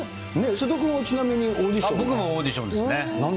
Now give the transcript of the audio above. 瀬戸君はちなみにオーディシ僕もオーディションですね。